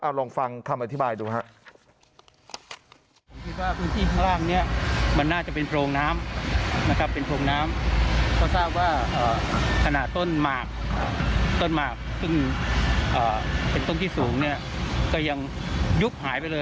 เอาลองฟังคำอธิบายดูครับ